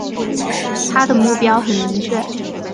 他的目标很明确